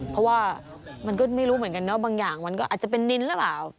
เพราะว่ามันก็ไม่รู้เหมือนกันเนาะบางอย่างมันก็อาจจะเป็นนินหรือเปล่า